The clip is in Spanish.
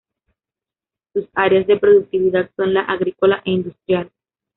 Sus áreas de productividad son la agrícola e industrial.